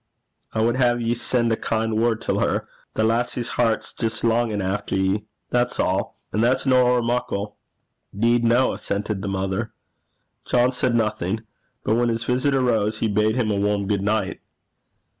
'I wad hae ye sen' a kin' word till her. The lassie's hert's jist longin' efter ye. That's a'. And that's no ower muckle.' ''Deed no,' assented the mother. John said nothing. But when his visitor rose he bade him a warm good night.